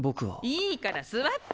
いいから座って！